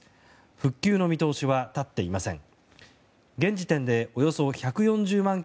復旧の見通しは立っていません。